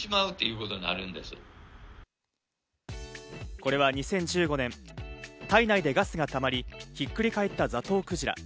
これは２０１５年、体内でガスがたまり、ひっくり返ったザトウクジラ。